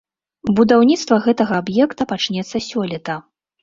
Будаўніцтва гэтага аб'екта пачнецца сёлета.